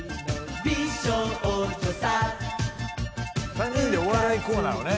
３人でお笑いコーナーをね。